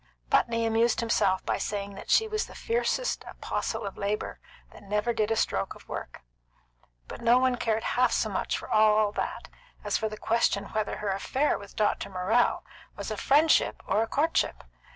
Putney amused himself by saying that she was the fiercest apostle of labour that never did a stroke of work; but no one cared half so much for all that as for the question whether her affair with Dr. Morrell was a friendship or a courtship.